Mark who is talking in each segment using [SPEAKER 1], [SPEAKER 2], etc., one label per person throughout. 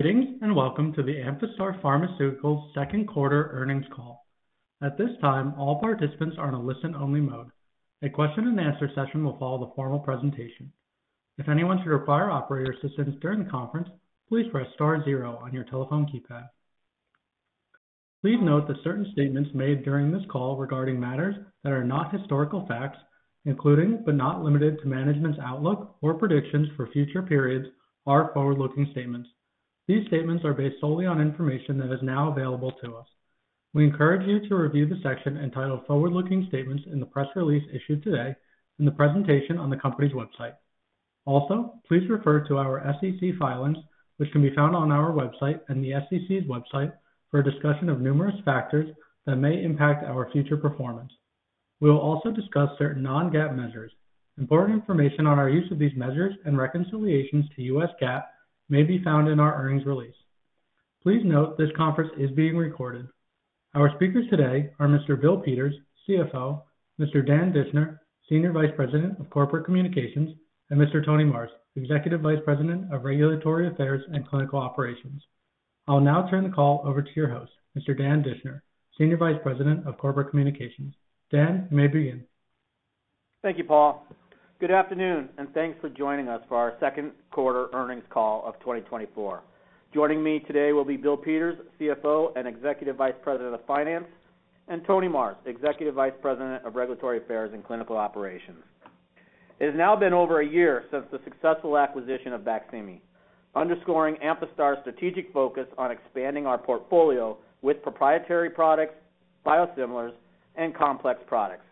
[SPEAKER 1] Greetings, and welcome to the Amphastar Pharmaceuticals second quarter earnings call. At this time, all participants are in a listen-only mode. A question-and-answer session will follow the formal presentation. If anyone should require operator assistance during the conference, please press star zero on your telephone keypad. Please note that certain statements made during this call regarding matters that are not historical facts, including but not limited to management's outlook or predictions for future periods, are forward-looking statements. These statements are based solely on information that is now available to us. We encourage you to review the section entitled "Forward-Looking Statements" in the press release issued today in the presentation on the company's website. Also, please refer to our SEC filings, which can be found on our website and the SEC's website, for a discussion of numerous factors that may impact our future performance. We will also discuss certain non-GAAP measures. Important information on our use of these measures and reconciliations to U.S. GAAP may be found in our earnings release. Please note, this conference is being recorded. Our speakers today are Mr. Bill Peters, CFO, Mr. Dan Dischner, Senior Vice President of Corporate Communications, and Mr. Tony Marrs, Executive Vice President of Regulatory Affairs and Clinical Operations. I'll now turn the call over to your host, Mr. Dan Dischner, Senior Vice President of Corporate Communications. Dan, you may begin.
[SPEAKER 2] Thank you, Paul. Good afternoon, and thanks for joining us for our second quarter earnings call of 2024. Joining me today will be Bill Peters, CFO and Executive Vice President of Finance, and Tony Marrs, Executive Vice President of Regulatory Affairs and Clinical Operations. It has now been over a year since the successful acquisition of BAQSIMI, underscoring Amphastar's strategic focus on expanding our portfolio with proprietary products, biosimilars, and complex products.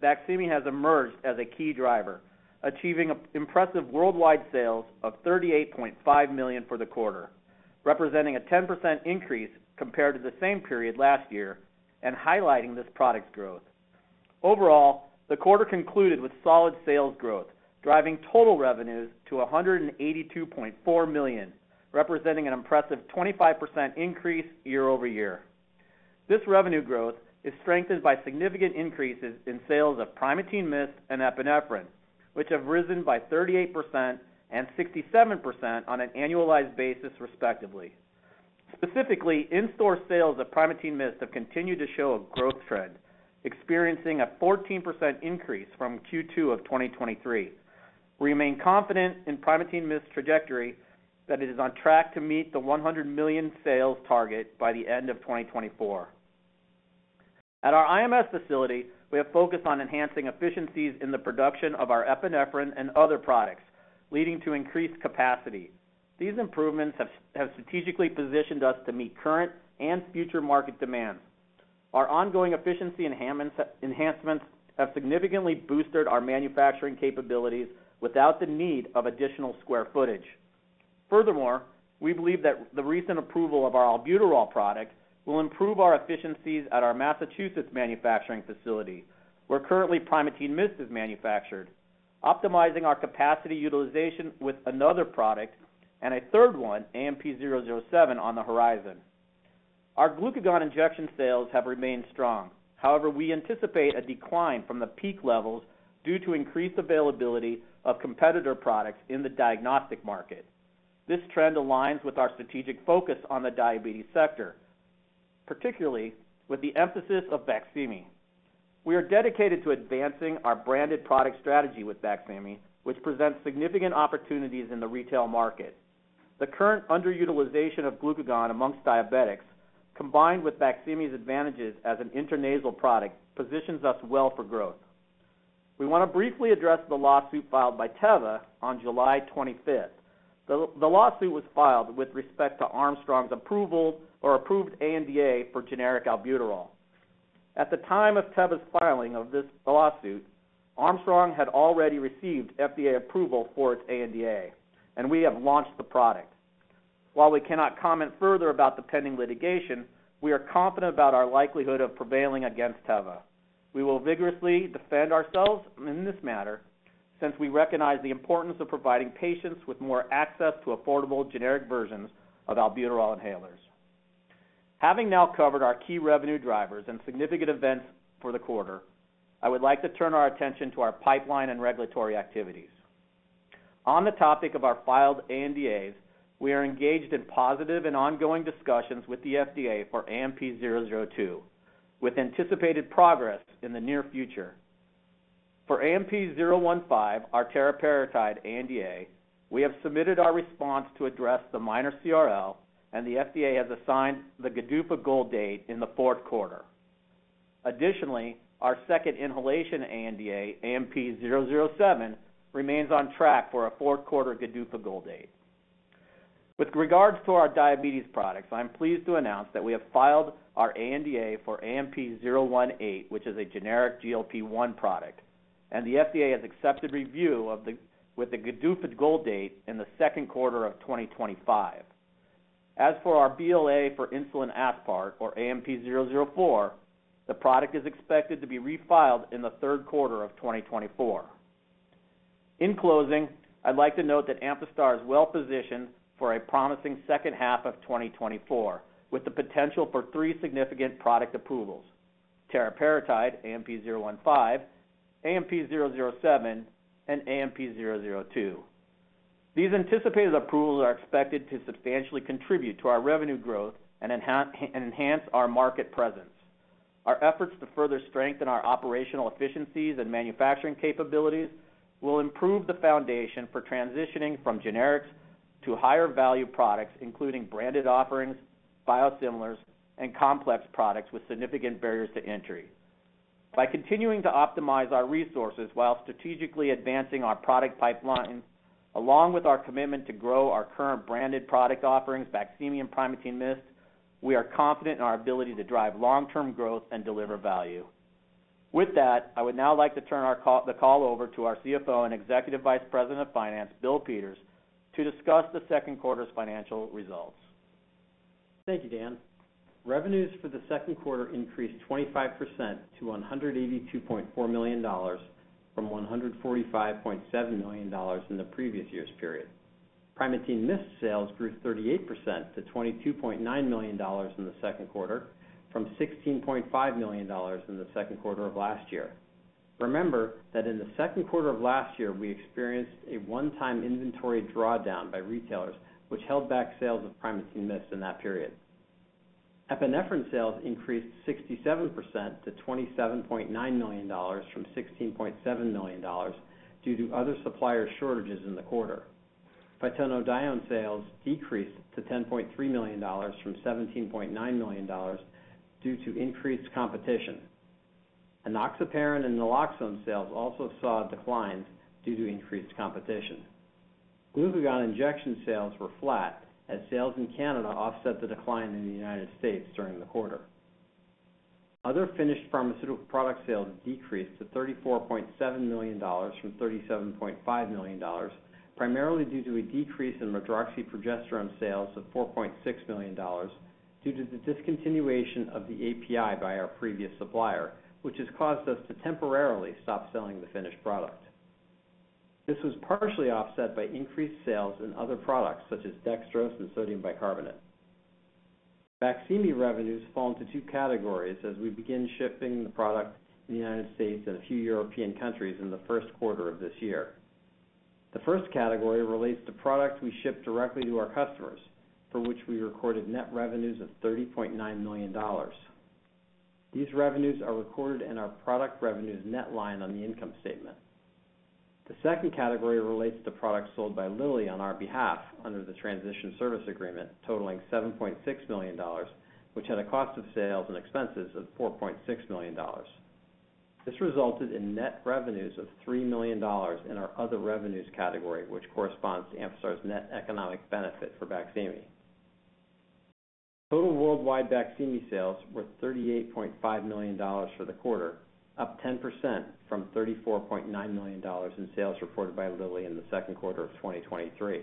[SPEAKER 2] This quarter, BAQSIMI has emerged as a key driver, achieving impressive worldwide sales of $38.5 million for the quarter, representing a 10% increase compared to the same period last year and highlighting this product's growth. Overall, the quarter concluded with solid sales growth, driving total revenues to $182.4 million, representing an impressive 25% increase year over year. This revenue growth is strengthened by significant increases in sales of Primatene MIST and epinephrine, which have risen by 38% and 67% on an annualized basis, respectively. Specifically, in-store sales of Primatene MIST have continued to show a growth trend, experiencing a 14% increase from Q2 of 2023. We remain confident in Primatene MIST's trajectory that it is on track to meet the $100 million sales target by the end of 2024. At our IMS facility, we have focused on enhancing efficiencies in the production of our epinephrine and other products, leading to increased capacity. These improvements have strategically positioned us to meet current and future market demand. Our ongoing efficiency enhancements have significantly boosted our manufacturing capabilities without the need of additional square footage. Furthermore, we believe that the recent approval of our albuterol product will improve our efficiencies at our Massachusetts manufacturing facility, where currently Primatene MIST is manufactured, optimizing our capacity utilization with another product and a third one, AMP-007, on the horizon. Our glucagon injection sales have remained strong. However, we anticipate a decline from the peak levels due to increased availability of competitor products in the diagnostic market. This trend aligns with our strategic focus on the diabetes sector, particularly with the emphasis of BAQSIMI. We are dedicated to advancing our branded product strategy with BAQSIMI, which presents significant opportunities in the retail market. The current underutilization of glucagon amongst diabetics, combined with BAQSIMI's advantages as an intranasal product, positions us well for growth. We want to briefly address the lawsuit filed by Teva on July 25. The lawsuit was filed with respect to Amphastar's approval or approved ANDA for generic albuterol. At the time of Teva's filing of this lawsuit, Amphastar had already received FDA approval for its ANDA, and we have launched the product. While we cannot comment further about the pending litigation, we are confident about our likelihood of prevailing against Teva. We will vigorously defend ourselves in this matter, since we recognize the importance of providing patients with more access to affordable generic versions of albuterol inhalers. Having now covered our key revenue drivers and significant events for the quarter, I would like to turn our attention to our pipeline and regulatory activities. On the topic of our filed ANDAs, we are engaged in positive and ongoing discussions with the FDA for AMP-002, with anticipated progress in the near future. For AMP-015, our teriparatide ANDA, we have submitted our response to address the minor CRL, and the FDA has assigned the GDUFA goal date in the fourth quarter. Additionally, our second inhalation ANDA, AMP-007, remains on track for a fourth quarter GDUFA goal date. With regards to our diabetes products, I'm pleased to announce that we have filed our ANDA for AMP-018, which is a generic GLP-1 product, and the FDA has accepted review with the GDUFA goal date in the second quarter of 2025. As for our BLA for insulin aspart, or AMP-004, the product is expected to be refiled in the third quarter of 2024. In closing, I'd like to note that Amphastar is well positioned for a promising second half of 2024, with the potential for three significant product approvals. teriparatide, AMP-015, AMP-007, and AMP-002. These anticipated approvals are expected to substantially contribute to our revenue growth and enhance, and enhance our market presence. Our efforts to further strengthen our operational efficiencies and manufacturing capabilities will improve the foundation for transitioning from generics to higher value products, including branded offerings, biosimilars, and complex products with significant barriers to entry. By continuing to optimize our resources while strategically advancing our product pipeline, along with our commitment to grow our current branded product offerings, BAQSIMI and Primatene MIST we are confident in our ability to drive long-term growth and deliver value. With that, I would now like to turn our call, the call over to our CFO and Executive Vice President of Finance, Bill Peters, to discuss the second quarter's financial results.
[SPEAKER 3] Thank you, Dan. Revenues for the second quarter increased 25% to $182.4 million from $145.7 million in the previous year's period. Primatene MIST sales grew 38% to $22.9 million in the second quarter, from $16.5 million in the second quarter of last year. Remember that in the second quarter of last year, we experienced a one-time inventory drawdown by retailers, which held back sales of Primatene MIST in that period. Epinephrine sales increased 67% to $27.9 million from $16.7 million due to other supplier shortages in the quarter. Phytonadione sales decreased to $10.3 million from $17.9 million due to increased competition. Enoxaparin and naloxone sales also saw a decline due to increased competition. Glucagon injection sales were flat, as sales in Canada offset the decline in the United States during the quarter. Other finished pharmaceutical product sales decreased to $34.7 million from $37.5 million, primarily due to a decrease in medroxyprogesterone sales of $4.6 million, due to the discontinuation of the API by our previous supplier, which has caused us to temporarily stop selling the finished product. This was partially offset by increased sales in other products such as dextrose and sodium bicarbonate. BAQSIMI revenues fall into two categories as we begin shipping the product in the United States and a few European countries in the first quarter of this year. The first category relates to products we ship directly to our customers, for which we recorded net revenues of $30.9 million. These revenues are recorded in our product revenues net line on the income statement. The second category relates to products sold by Lilly on our behalf under the Transition Service Agreement, totaling $7.6 million, which had a cost of sales and expenses of $4.6 million. This resulted in net revenues of $3 million in our other revenues category, which corresponds to Amphastar's net economic benefit for BAQSIMI. Total worldwide BAQSIMI sales were $38.5 million for the quarter, up 10% from $34.9 million in sales reported by Lilly in the second quarter of 2023.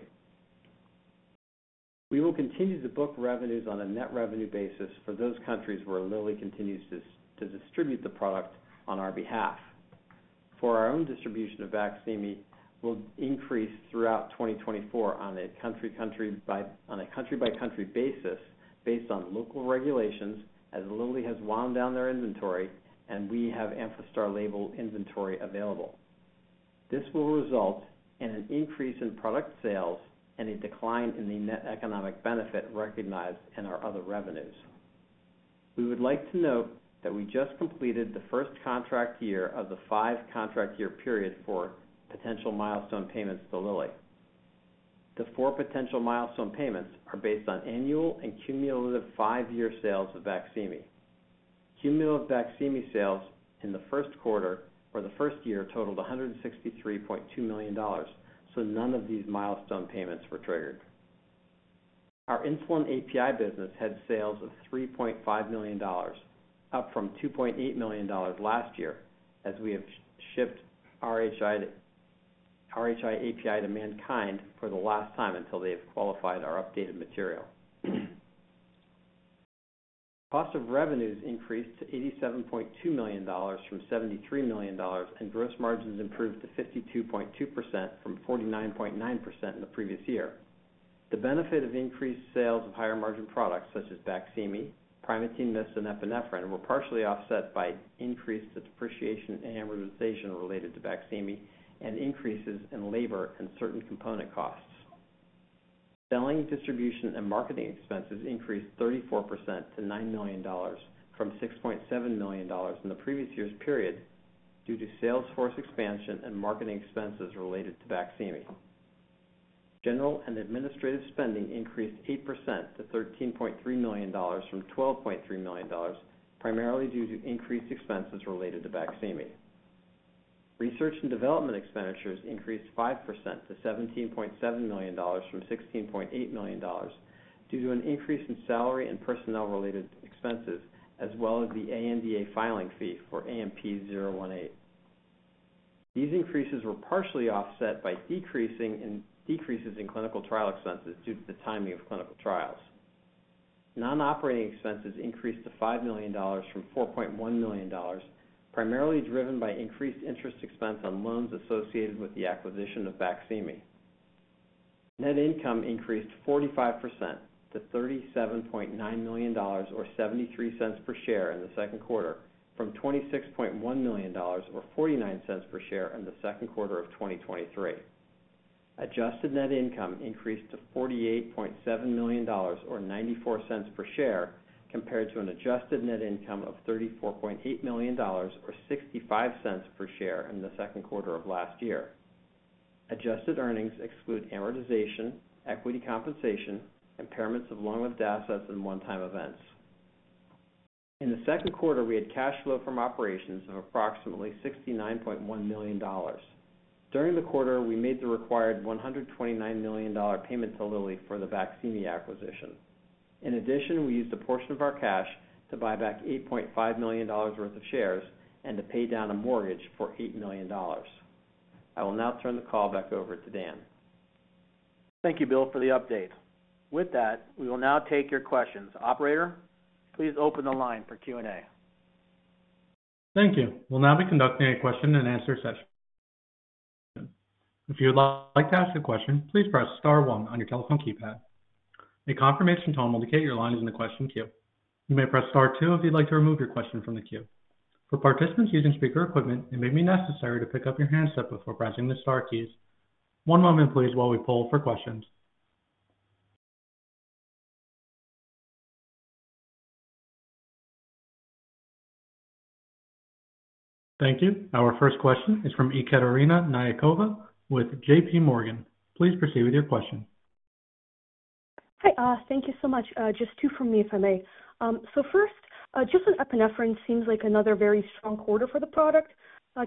[SPEAKER 3] We will continue to book revenues on a net revenue basis for those countries where Lilly continues to distribute the product on our behalf. For our own distribution of BAQSIMI, will increase throughout 2024 on a country-by-country basis, based on local regulations, as Lilly has wound down their inventory and we have Amphastar label inventory available. This will result in an increase in product sales and a decline in the net economic benefit recognized in our other revenues. We would like to note that we just completed the first contract year of the five-contract year period for potential milestone payments to Lilly. The four potential milestone payments are based on annual and cumulative five-year sales of BAQSIMI. Cumulative BAQSIMI sales in the first quarter or the first year totaled $163.2 million, so none of these milestone payments were triggered. Our insulin API business had sales of $3.5 million, up from $2.8 million last year, as we have shipped RHI, RHI API to MannKind for the last time until they have qualified our updated material. Cost of revenues increased to $87.2 million from $73 million, and gross margins improved to 52.2% from 49.9% in the previous year. The benefit of increased sales of higher-margin products such as BAQSIMI, Primatene MIST, and epinephrine, were partially offset by increased depreciation and amortization related to BAQSIMI and increases in labor and certain component costs. Selling, distribution, and marketing expenses increased 34% to $9 million from $6.7 million in the previous year's period due to sales force expansion and marketing expenses related to BAQSIMI. General and administrative spending increased 8% to $13.3 million from $12.3 million, primarily due to increased expenses related to BAQSIMI. Research and development expenditures increased 5% to $17.7 million from $16.8 million due to an increase in salary and personnel-related expenses, as well as the ANDA filing fee for AMP-018. These increases were partially offset by decreases in clinical trial expenses due to the timing of clinical trials. Non-operating expenses increased to $5 million from $4.1 million, primarily driven by increased interest expense on loans associated with the acquisition of BAQSIMI. Net income increased 45% to $37.9 million, or $0.73 per share in the second quarter, from $26.1 million, or $0.49 per share in the second quarter of 2023. Adjusted net income increased to $48.7 million, or $0.94 per share, compared to an adjusted net income of $34.8 million or $0.65 per share in the second quarter of last year. Adjusted earnings exclude amortization, equity compensation, impairments of long-lived assets, and one-time events. In the second quarter, we had cash flow from operations of approximately $69.1 million. During the quarter, we made the required $129 million payment to Lilly for the BAQSIMI acquisition. In addition, we used a portion of our cash to buy back $8.5 million worth of shares and to pay down a mortgage for $8 million. I will now turn the call back over to Dan.
[SPEAKER 2] Thank you, Bill, for the update. With that, we will now take your questions. Operator, please open the line for Q&A.
[SPEAKER 1] Thank you. We'll now be conducting a question-and-answer session. If you would like to ask a question, please press star one on your telephone keypad. A confirmation tone will indicate your line is in the question queue. You may press star two if you'd like to remove your question from the queue. For participants using speaker equipment, it may be necessary to pick up your handset before pressing the star keys. One moment, please, while we poll for questions. Thank you. Our first question is from Ekaterina Nekrasova with JP Morgan. Please proceed with your question.
[SPEAKER 4] Hi, thank you so much. Just two from me, if I may. So first, just on epinephrine, seems like another very strong quarter for the product.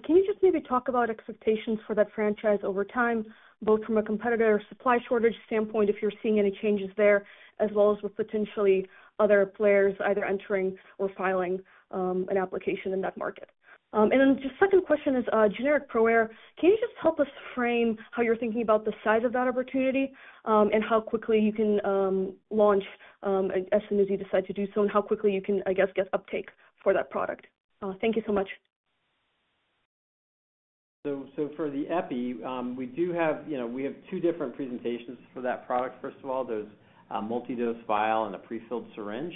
[SPEAKER 4] Can you just maybe talk about expectations for that franchise over time, both from a competitor supply shortage standpoint, if you're seeing any changes there, as well as with potentially other players either entering or filing an application in that market? And then the second question is, generic ProAir. Can you just help us frame how you're thinking about the size of that opportunity, and how quickly you can launch as soon as you decide to do so, and how quickly you can, I guess, get uptake for that product? Thank you so much.
[SPEAKER 3] So for the Epi, we do have, you know, we have two different presentations for that product. First of all, there's a multi-dose vial and a prefilled syringe.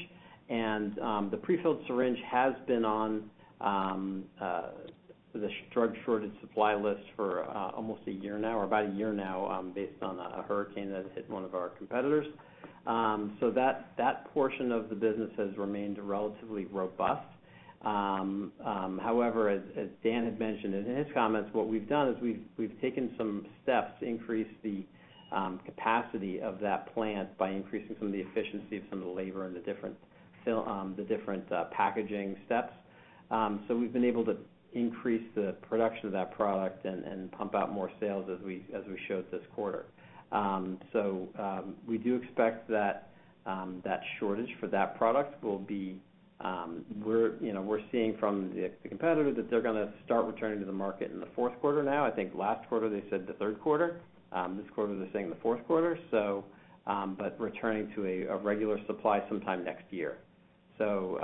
[SPEAKER 3] And the prefilled syringe has been on the drug shortage supply list for almost a year now, or about a year now, based on a hurricane that hit one of our competitors. So that portion of the business has remained relatively robust. However, as Dan had mentioned in his comments, what we've done is we've taken some steps to increase the capacity of that plant by increasing some of the efficiency of some of the labor and the different fill, the different packaging steps. So we've been able to increase the production of that product and pump out more sales as we showed this quarter. So we do expect that that shortage for that product will be, we're, you know, we're seeing from the competitor that they're gonna start returning to the market in the fourth quarter now. I think last quarter they said the third quarter. This quarter, they're saying the fourth quarter, so but returning to a regular supply sometime next year. So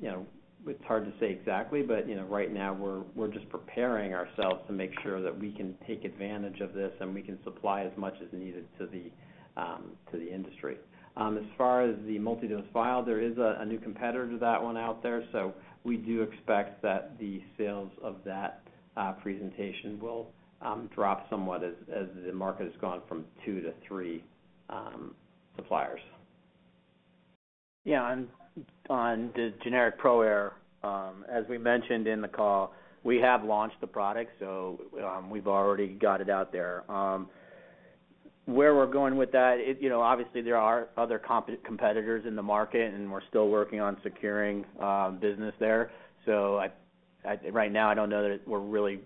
[SPEAKER 3] you know, it's hard to say exactly, but you know, right now we're just preparing ourselves to make sure that we can take advantage of this, and we can supply as much as needed to the to the industry. As far as the multi-dose vial, there is a new competitor to that one out there, so we do expect that the sales of that presentation will drop somewhat as the market has gone from two to three suppliers.
[SPEAKER 2] Yeah, and on the generic ProAir, as we mentioned in the call, we have launched the product, so, we've already got it out there. Where we're going with that is, you know, obviously there are other competitors in the market, and we're still working on securing, business there. So I, right now, I don't know that we're really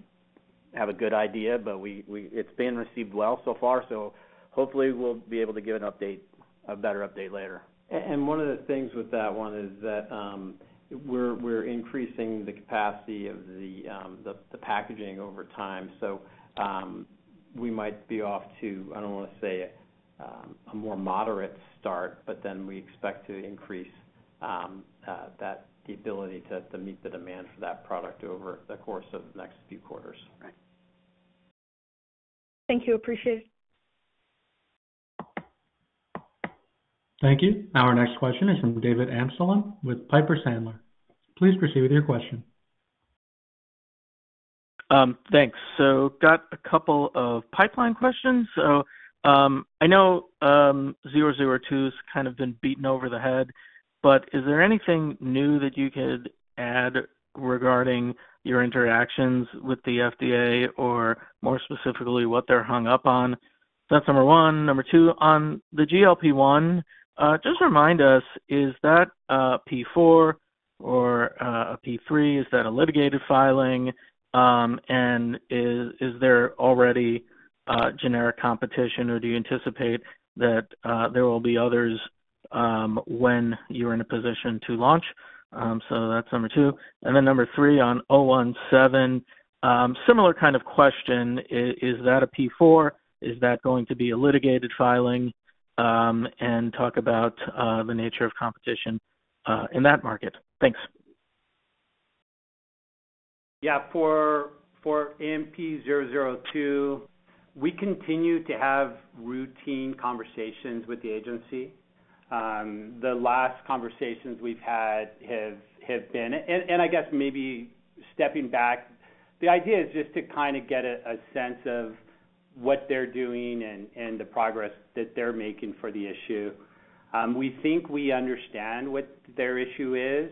[SPEAKER 2] have a good idea, but we, -- It's been received well so far, so hopefully we'll be able to give an update, a better update later.
[SPEAKER 3] And one of the things with that one is that we're increasing the capacity of the packaging over time. So, we might be off to, I don't want to say, a more moderate start, but then we expect to increase that the ability to meet the demand for that product over the course of the next few quarters.
[SPEAKER 2] Right.
[SPEAKER 4] Thank you. Appreciate it.
[SPEAKER 1] Thank you. Our next question is from David Amsellem with Piper Sandler. Please proceed with your question.
[SPEAKER 5] Thanks. So got a couple of pipeline questions. So, I know, zero zero two's kind of been beaten over the head, but is there anything new that you could add regarding your interactions with the FDA, or more specifically, what they're hung up on? That's number one. Number two, on the GLP-1, just remind us, is that a P4 or, a P3? Is that a litigated filing? And is, is there already, generic competition, or do you anticipate that, there will be others, when you're in a position to launch? So that's number two. And then number three, on 017, similar kind of question, is that a P4? Is that going to be a litigated filing? And talk about, the nature of competition, in that market. Thanks.
[SPEAKER 3] Yeah, for AMP-002, we continue to have routine conversations with the agency. The last conversations we've had have been, and I guess maybe stepping back, the idea is just to kind of get a sense of what they're doing and the progress that they're making for the issue. We think we understand what their issue is.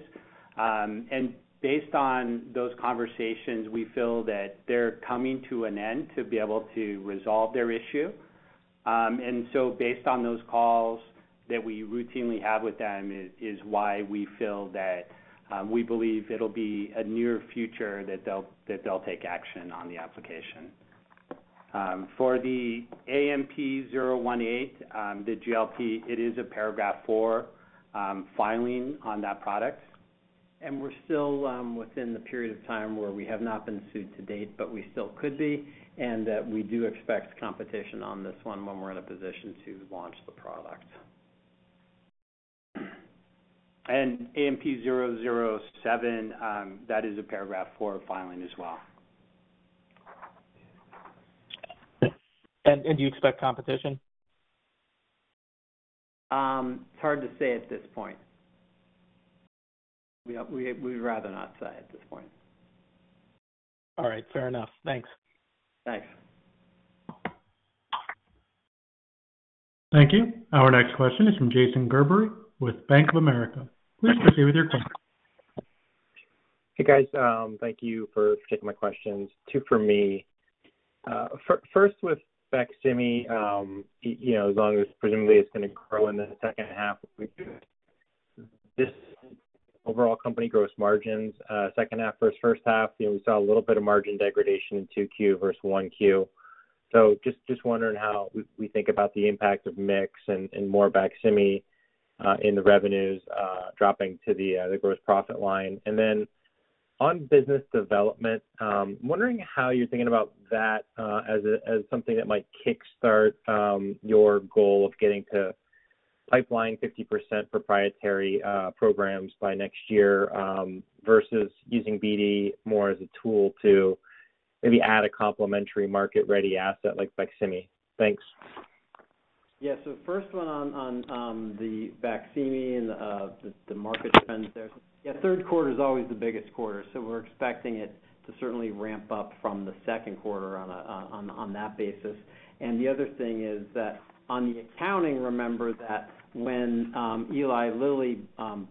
[SPEAKER 3] And based on those conversations, we feel that they're coming to an end to be able to resolve their issue. And so based on those calls that we routinely have with them is why we feel that we believe it'll be a near future that they'll take action on the application. For the AMP-018, the GLP, it is a Paragraph Four filing on that product, and we're still within the period of time where we have not been sued to date, but we still could be, and that we do expect competition on this one when we're in a position to launch the product. And AMP-007, that is a Paragraph Four filing as well.
[SPEAKER 5] Do you expect competition?
[SPEAKER 3] It's hard to say at this point. We'd rather not say at this point.
[SPEAKER 5] All right, fair enough. Thanks.
[SPEAKER 3] Thanks.
[SPEAKER 1] Thank you. Our next question is from Jason Gerberry with Bank of America. Please proceed with your question.
[SPEAKER 6] Hey, guys, thank you for taking my questions. Two for me. First, with BAQSIMI, you know, as long as presumably it's gonna grow in the second half of the year, this overall company gross margins, second half versus first half, you know, we saw a little bit of margin degradation in 2Q versus 1Q. So just wondering how we think about the impact of mix and more BAQSIMI in the revenues dropping to the gross profit line. And then on business development, wondering how you're thinking about that, as something that might kickstart your goal of getting to pipelining 50% proprietary programs by next year, versus using BD more as a tool to maybe add a complementary market-ready asset like BAQSIMI. Thanks.
[SPEAKER 3] Yeah. So first one on the BAQSIMI and the market trends there. Yeah, third quarter is always the biggest quarter, so we're expecting it to certainly ramp up from the second quarter on that basis. And the other thing is that on the accounting, remember that when Eli Lilly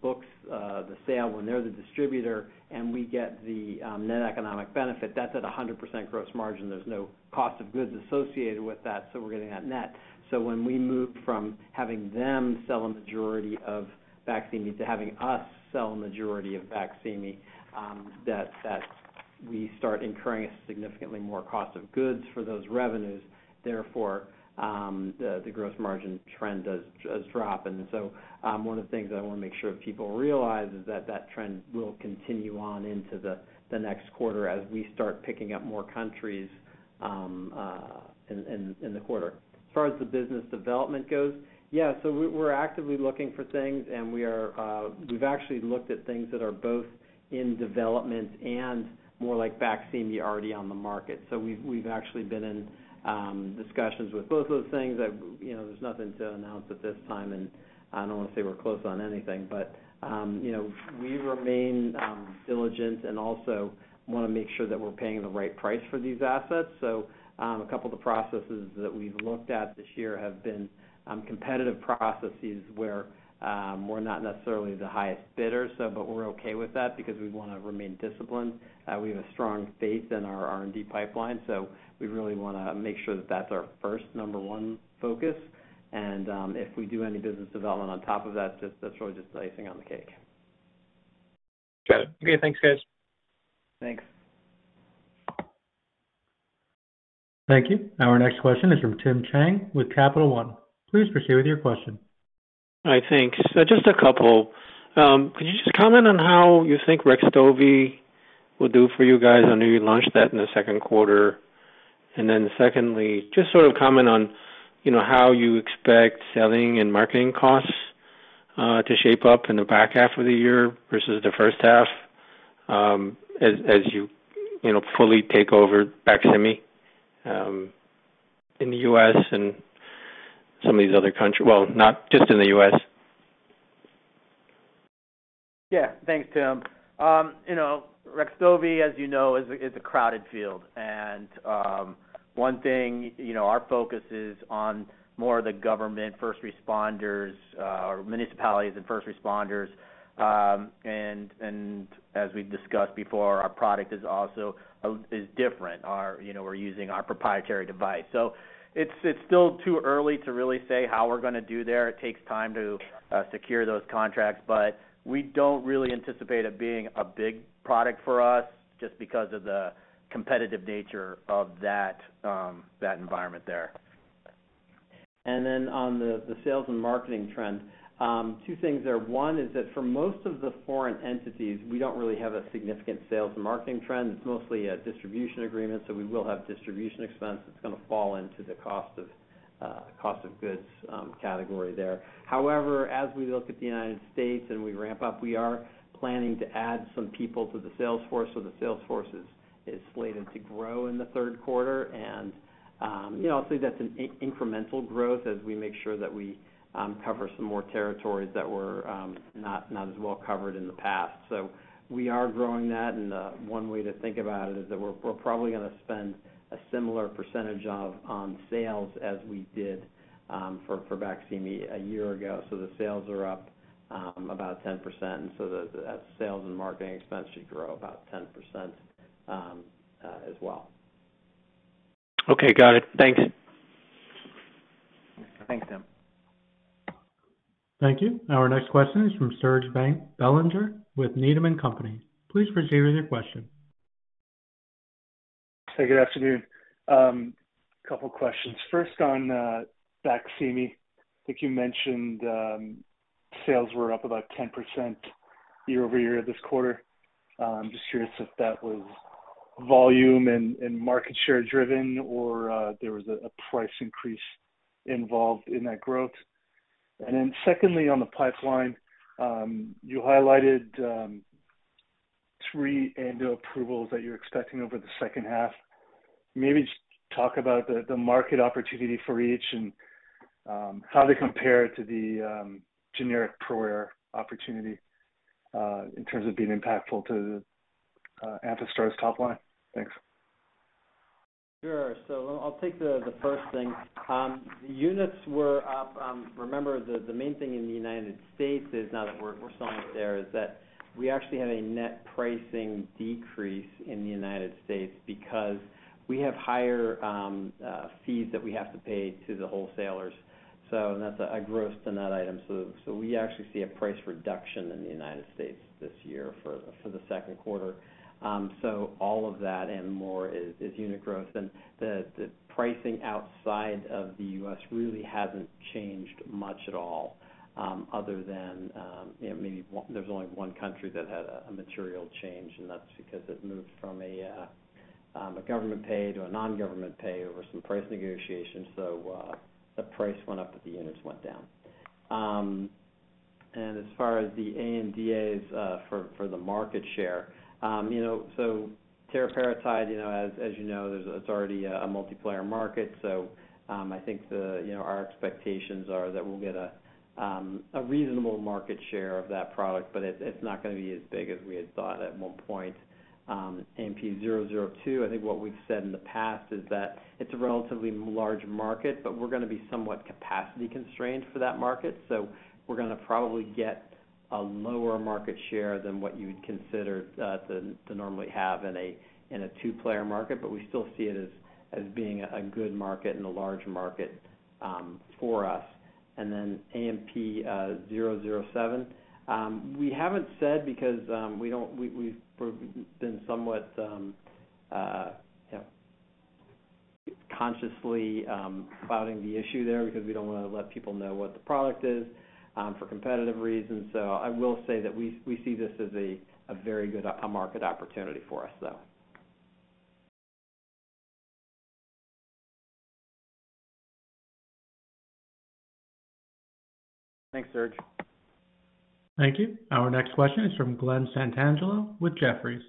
[SPEAKER 3] books the sale, when they're the distributor, and we get the net economic benefit, that's at 100% gross margin. There's no cost of goods associated with that, so we're getting that net. So when we move from having them sell a majority of BAQSIMI to having us sell a majority of BAQSIMI, that we start incurring a significantly more cost of goods for those revenues. Therefore, the gross margin trend does drop. And so, one of the things I wanna make sure people realize is that that trend will continue on into the next quarter as we start picking up more countries in the quarter. As far as the business development goes, yeah, so we're actively looking for things, and we've actually looked at things that are both in development and more like BAQSIMI already on the market. So we've actually been in discussions with both of those things. I've you know, there's nothing to announce at this time, and I don't wanna say we're close on anything. But you know, we remain diligent and also wanna make sure that we're paying the right price for these assets. So, a couple of the processes that we've looked at this year have been competitive processes, where we're not necessarily the highest bidder, so, but we're okay with that because we wanna remain disciplined. We have a strong faith in our R&D pipeline, so we really wanna make sure that that's our first number one focus. And, if we do any business development on top of that, just that's really just the icing on the cake.
[SPEAKER 6] Got it. Okay, thanks, guys.
[SPEAKER 3] Thanks.
[SPEAKER 1] Thank you. Our next question is from Tim Chiang with Capital One. Please proceed with your question.
[SPEAKER 7] All right, thanks. So just a couple. Could you just comment on how you think Rextovy will do for you guys? I know you launched that in the second quarter. And then secondly, just sort of comment on, you know, how you expect selling and marketing costs to shape up in the back half of the year versus the first half, as you, you know, fully take over BAQSIMI in the U.S. and some of these other country... Well, not just in the U.S.
[SPEAKER 3] Yeah. Thanks, Tim. You know, Rextovy, as you know, is a crowded field. And, one thing, you know, our focus is on more of the government first responders, or municipalities and first responders. And as we've discussed before, our product is also different. Our you know, we're using our proprietary device. So it's still too early to really say how we're gonna do there. It takes time to secure those contracts, but we don't really anticipate it being a big product for us just because of the competitive nature of that, that environment there. And then on the sales and marketing trend, two things there. One is that for most of the foreign entities, we don't really have a significant sales and marketing trend. It's mostly a distribution agreement, so we will have distribution expense that's gonna fall into the cost of cost of goods category there. However, as we look at the United States and we ramp up, we are planning to add some people to the sales force. So the sales force is slated to grow in the third quarter. And, you know, I'll say that's an incremental growth as we make sure that we cover some more territories that were not as well covered in the past. So we are growing that, and one way to think about it is that we're probably gonna spend a similar percentage of on sales as we did for BAQSIMI a year ago. So the sales are up about 10%, and so the sales and marketing expense should grow about 10% as well.
[SPEAKER 7] Okay, got it. Thanks.
[SPEAKER 3] Thanks, Tim.
[SPEAKER 1] Thank you. Our next question is from Serge Belanger with Needham & Company. Please proceed with your question.
[SPEAKER 8] Hey, good afternoon. A couple questions. First, on BAQSIMI, I think you mentioned sales were up about 10% year-over-year this quarter. I'm just curious if that was volume and market share driven or there was a price increase involved in that growth. And then secondly, on the pipeline, you highlighted three ANDA approvals that you're expecting over the second half. Maybe just talk about the market opportunity for each and how they compare to the generic prior opportunity in terms of being impactful to Amphastar's top line. Thanks.
[SPEAKER 3] Sure. So I'll take the first thing. The units were up, remember, the main thing in the United States is now that we're strong up there, is that we actually had a net pricing decrease in the United States because we have higher fees that we have to pay to the wholesalers. So that's a gross to net item. So we actually see a price reduction in the United States this year for the second quarter. So all of that and more is unit growth, and the pricing outside of the U.S. really hasn't changed much at all, other than, you know, maybe one—there's only one country that had a material change, and that's because it moved from a government pay to a non-government pay over some price negotiations. So, the price went up, but the units went down. And as far as the ANDAs, for the market share, you know, so Teriparatide, you know, as you know, there's—it's already a multiplayer market. So, I think, you know, our expectations are that we'll get a reasonable market share of that product, but it's not gonna be as big as we had thought at one point. AMP-002, I think what we've said in the past is that it's a relatively large market, but we're gonna be somewhat capacity constrained for that market. So we're gonna probably get a lower market share than what you would consider to normally have in a two-player market. But we still see it as being a good market and a large market, for us. And then AMP-007. We haven't said because we don't, we've been somewhat, you know, consciously clouding the issue there because we don't wanna let people know what the product is, for competitive reasons. So I will say that we see this as a very good market opportunity for us, though. Thanks, Serge.
[SPEAKER 1] Thank you. Our next question is from Glen Santangelo with Jefferies.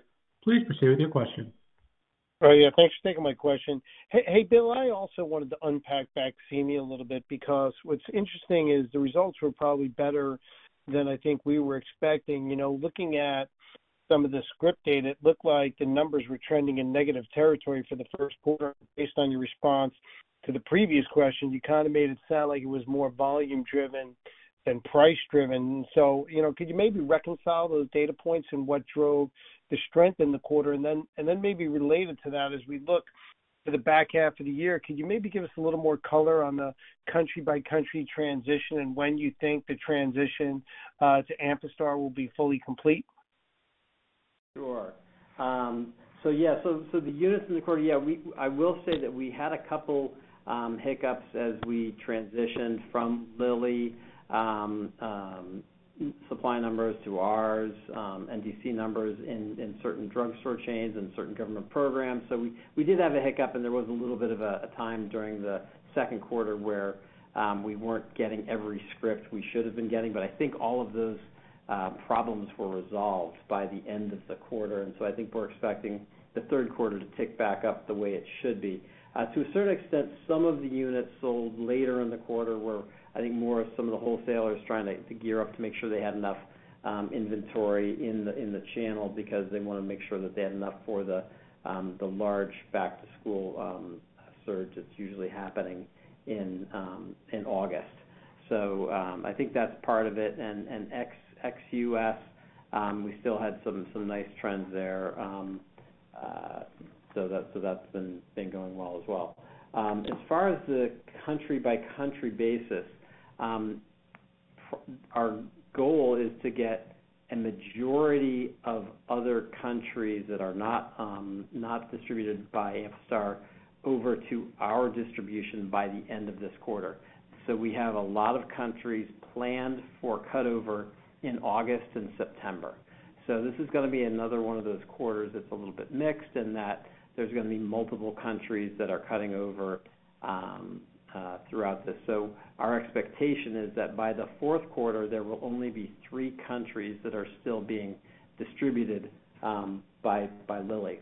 [SPEAKER 1] Please proceed with your question.
[SPEAKER 9] Oh, yeah, thanks for taking my question. Hey, hey, Bill, I also wanted to unpack BAQSIMI a little bit because what's interesting is the results were probably better than I think we were expecting. You know, looking at some of the script data, it looked like the numbers were trending in negative territory for the first quarter. Based on your response to the previous question, you kind of made it sound like it was more volume driven than price driven. So, you know, could you maybe reconcile those data points and what drove the strength in the quarter? And then, and then maybe related to that, as we look to the back half of the year, could you maybe give us a little more color on the country-by-country transition and when you think the transition to Amphastar will be fully complete?
[SPEAKER 3] Sure. So yeah, so the units in the quarter, yeah, we—I will say that we had a couple hiccups as we transitioned from Lilly supply numbers to ours, NDC numbers in certain drugstore chains and certain government programs. So we did have a hiccup, and there was a little bit of a time during the second quarter where we weren't getting every script we should have been getting. But I think all of those problems were resolved by the end of the quarter. And so I think we're expecting the third quarter to tick back up the way it should be. To a certain extent, some of the units sold later in the quarter were, I think, more of some of the wholesalers trying to gear up to make sure they had enough inventory in the channel because they wanna make sure that they had enough for the large back-to-school surge that's usually happening in August. So, I think that's part of it. And ex-U.S., we still had some nice trends there. So that's been going well as well. As far as the country-by-country basis, our goal is to get a majority of other countries that are not distributed by Amphastar over to our distribution by the end of this quarter. So we have a lot of countries planned for cut over in August and September. So this is gonna be another one of those quarters that's a little bit mixed, and that there's gonna be multiple countries that are cutting over throughout this. So our expectation is that by the fourth quarter, there will only be three countries that are still being distributed by Lilly.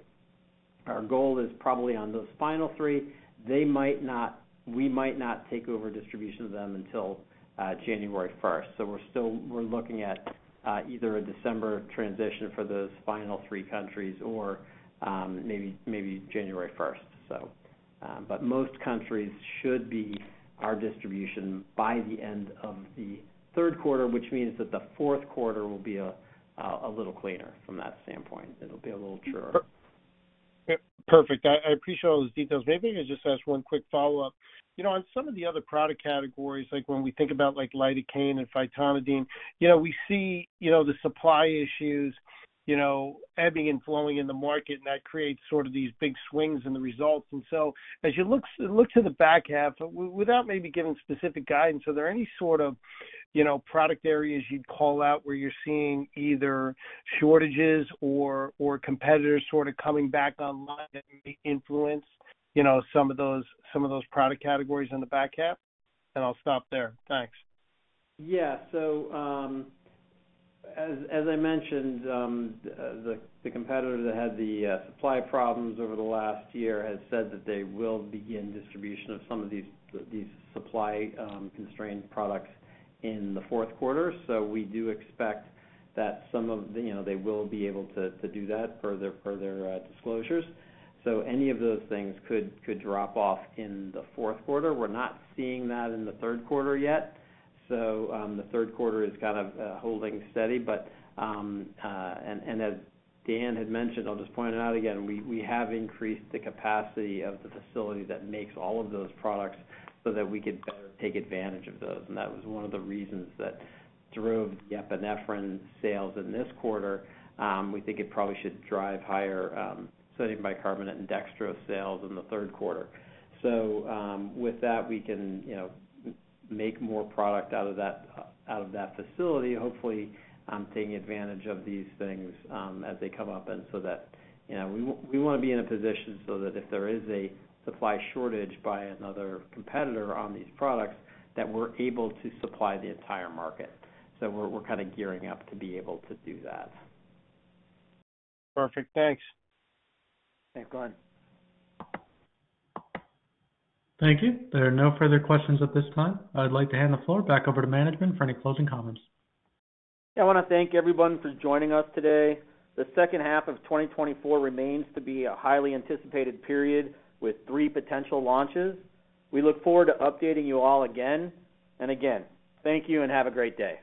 [SPEAKER 3] Our goal is probably on those final three, they might not—we might not take over distribution of them until January first. So we're looking at either a December transition for those final three countries or maybe January first, so... But most countries should be our distribution by the end of the third quarter, which means that the fourth quarter will be a little cleaner from that standpoint. It'll be a little truer.
[SPEAKER 9] Perfect. I appreciate all those details. Maybe I can just ask one quick follow-up. You know, on some of the other product categories, like, when we think about, like, lidocaine and phytonadione, you know, we see, you know, the supply issues, you know, ebbing and flowing in the market, and that creates sort of these big swings in the results. And so as you look to the back half, without maybe giving specific guidance, are there any sort of, you know, product areas you'd call out where you're seeing either shortages or, or competitors sort of coming back online that may influence, you know, some of those, some of those product categories in the back half? And I'll stop there. Thanks.
[SPEAKER 3] Yeah. So, as I mentioned, the competitor that had the supply problems over the last year has said that they will begin distribution of some of these supply constrained products in the fourth quarter. So we do expect that some of the, you know, they will be able to do that per their disclosures. So any of those things could drop off in the fourth quarter. We're not seeing that in the third quarter yet, so the third quarter is kind of holding steady. But, and as Dan had mentioned, I'll just point it out again, we have increased the capacity of the facility that makes all of those products so that we could better take advantage of those. That was one of the reasons that drove the epinephrine sales in this quarter. We think it probably should drive higher sodium bicarbonate and dextrose sales in the third quarter. With that, we can, you know, make more product out of that, out of that facility, hopefully taking advantage of these things as they come up. That, you know, we, we wanna be in a position so that if there is a supply shortage by another competitor on these products, that we're able to supply the entire market. We're, we're kind of gearing up to be able to do that.
[SPEAKER 9] Perfect. Thanks.
[SPEAKER 3] Thanks, Glen.
[SPEAKER 1] Thank you. There are no further questions at this time. I'd like to hand the floor back over to management for any closing comments.
[SPEAKER 3] I wanna thank everyone for joining us today. The second half of 2024 remains to be a highly anticipated period with three potential launches. We look forward to updating you all again and again. Thank you and have a great day.